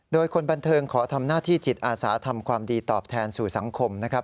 โดยคนบันเทิงขอทำหน้าที่จิตอาสาทำความดีตอบแทนสู่สังคมนะครับ